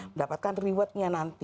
mendapatkan rewardnya nanti